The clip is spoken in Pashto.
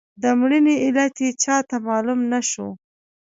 د مړینې علت یې چاته معلوم نه شو.